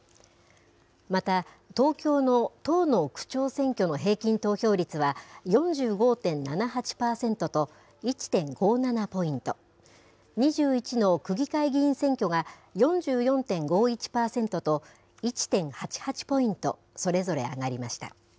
また、東京の１０の区長選挙の平均投票率は４５．７８％と、１．５７ポイント、２１の区議会議員選挙が４４．５１％と、１．８８ポイント、それぞれ上がりました。